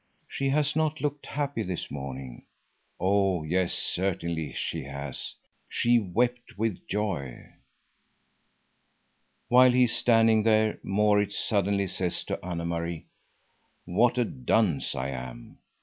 She has not looked happy this morning. Oh yes, certainly she has. She wept with joy. While he is standing there Maurits suddenly says to Anne Marie: "What a dunce I am!